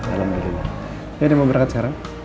alhamdulillah ya udah mau berangkat sekarang